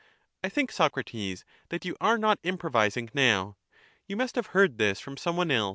I think, Socrates, that you are not improvising now ; you must have heard this from some one else.